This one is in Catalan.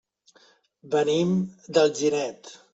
Venim d'Alginet.